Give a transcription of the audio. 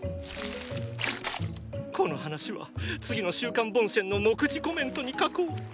この話は次の「週刊ボンシェン」の目次コメントに書こう。